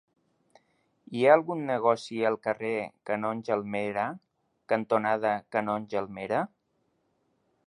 Hi ha algun negoci al carrer Canonge Almera cantonada Canonge Almera?